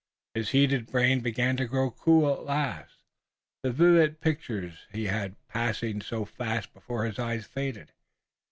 His heated brain began to grow cool at last. The vivid pictures that had been passing so fast before his eyes faded.